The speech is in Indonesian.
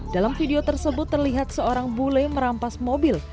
dalam video tersebut terlihat seorang bule merampas mobil